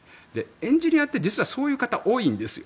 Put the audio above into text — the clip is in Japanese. エンジニアって実はそういう方多いんですよ。